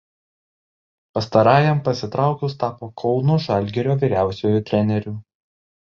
Pastarajam pasitraukus tapo Kauno „Žalgirio“ vyriausiuoju treneriu.